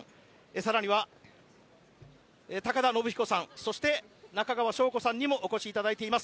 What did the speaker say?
更には高田延彦さんそして中川翔子さんにもお越しいただいております。